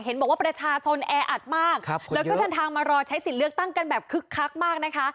เห็นบอกว่าประชาชนแออัดมากครับคุณเยอะแล้วก็ทันทางมารอใช้สินเลือกตั้งกันแบบคึกคักมากนะคะ